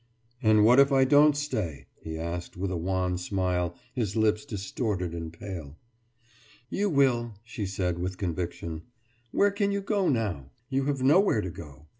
« »And what if I don't stay?« he asked with a wan smile, his lips distorted and pale. »You will,« she said with conviction. »Where can you go now? You have nowhere to go.